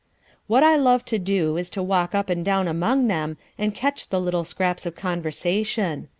What I love to do is to walk up and down among them and catch the little scraps of conversation.